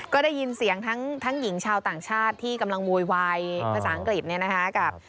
ก็ได้ยินเสียงทั้งหญิงชาวต่างชาติที่กำลังโวยวายภาษาอังกฤษเนี่ยนะคะกับ